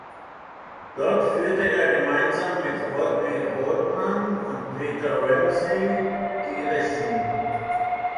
Dort führte er gemeinsam mit Rodney Rothman und Peter Ramsey die Regie.